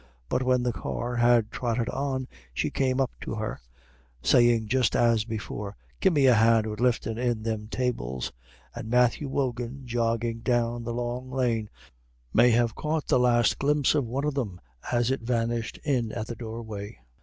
But when the car had trotted on, she came up to her, saying just as before, "Gimme a hand wid liftin' in thim tables;" and Matthew Wogan, jogging down the long lane, may have caught the last glimpse of one of them as it vanished in at the doorway.